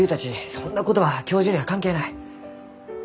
そんなことは教授には関係ない。